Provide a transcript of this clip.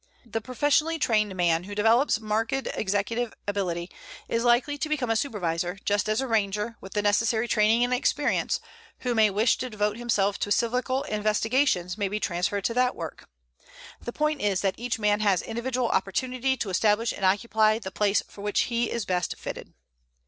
The professionally trained man who develops marked executive ability is likely to become a Supervisor, just as a Ranger, with the necessary training and experience, who may wish to devote himself to silvical investigations may be transferred to that work. The point is that each man has individual opportunity to establish and occupy the place for which he is best fitted.